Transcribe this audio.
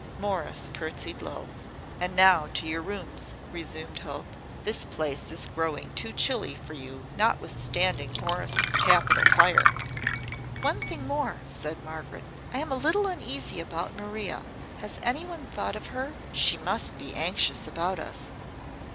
Morris curtsied low. "And now, to your rooms," resumed Hope: "this place is growing too chilly for you, notwithstanding Morris's capital fire." "One thing more," said Margaret. "I am a little uneasy about Maria. Has any one thought of her? She must be anxious about us."